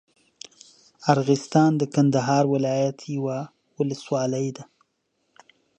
ارغسان د کندهار ولايت یوه اولسوالي ده.